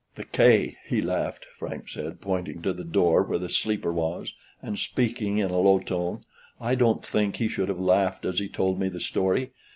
"The K , HE laughed," Frank said, pointing to the door where the sleeper was, and speaking in a low tone. "I don't think he should have laughed as he told me the story.